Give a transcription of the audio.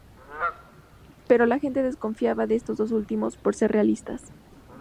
Pero la gente desconfiaba de estos dos últimos, por ser realistas.